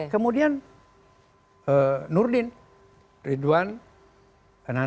kemudian nurdin ridwan anandang